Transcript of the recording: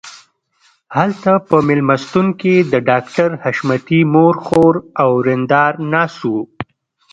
هلته په مېلمستون کې د ډاکټر حشمتي مور خور او ورېندار ناست وو